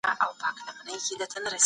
د ژمي لپاره توکي اخلي.